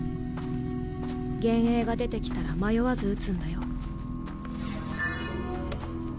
幻影が出てきたら迷わず撃つんだよ。